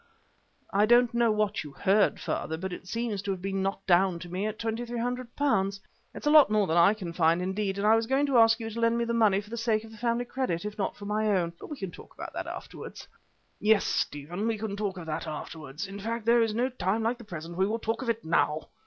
"I don't know what you heard, father, but it seems to have been knocked down to me at £2,300. It's a lot more than I can find, indeed, and I was going to ask you to lend me the money for the sake of the family credit, if not for my own. But we can talk about that afterwards." "Yes, Stephen, we can talk of that afterwards. In fact, as there is no time like the present, we will talk of it now.